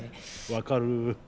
分かる。